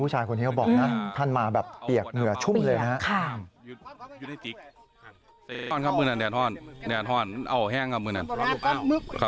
หรือก้มดื่มน้ำในศักดิ์ค่ะ